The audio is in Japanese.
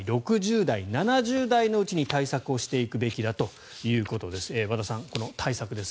５０代、６０代、７０代のうちに対策をしていくべきだということです。